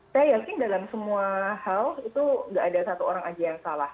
saya yakin dalam semua hal itu nggak ada satu orang aja yang salah